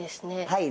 はい。